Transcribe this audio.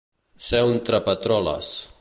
Ser un trapatroles.